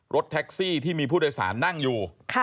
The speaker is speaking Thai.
รถแท็กซี่ที่มีผู้โดยสารนั่งอยู่